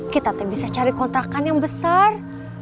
kita tak bisa cari kontrakan yang besar